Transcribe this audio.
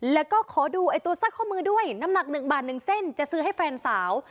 แล้วก็ขอดูตัวสร้อยข้อมือด้วยน้ำหนัก๑บาท๑เส้นจะซื้อให้แฟนสาว